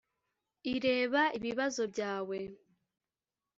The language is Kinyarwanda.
ireba ibibazo byawe